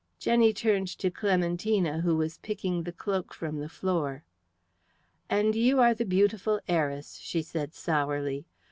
Jenny turned to Clementina, who was picking the cloak from the floor. "And you are the beautiful heiress," she said sourly.